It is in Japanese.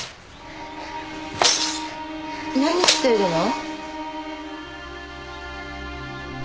何してるの？